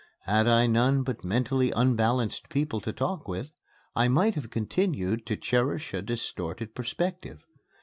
Had I had none but mentally unbalanced people to talk with, I might have continued to cherish a distorted perspective.